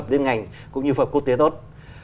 liên ngành cũng như pháp quốc tế tốt